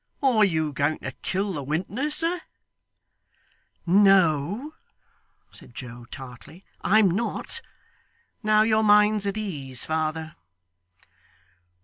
Are you going to kill the wintner, sir?' 'No,' said Joe, tartly; 'I'm not. Now your mind's at ease, father.